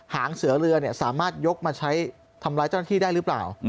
หางเสือเรือสามารถยกมาใช้ทำร้ายเจ้าหน้าที่ได้หรือเปล่า